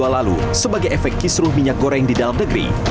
dua lalu sebagai efek kisruh minyak goreng di dalam negeri